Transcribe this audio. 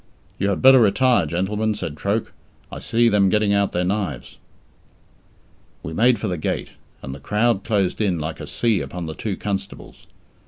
"You had better retire, gentlemen," said Troke. "I see them getting out their knives." We made for the gate, and the crowd closed in like a sea upon the two constables.